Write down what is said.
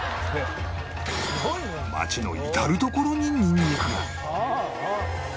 町の至る所にニンニクが